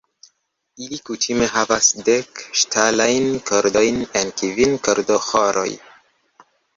Ili kutime havas dek ŝtalajn kordojn en kvin kordoĥoroj.